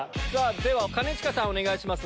では兼近さんお願いします。